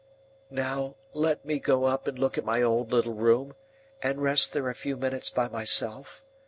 "Now let me go up and look at my old little room, and rest there a few minutes by myself.